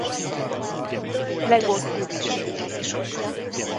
Lego Scooby-Doo!